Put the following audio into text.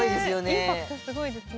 インパクトすごいですね。